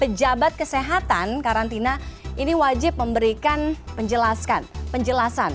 pejabat kesehatan karantina ini wajib memberikan penjelasan penjelasan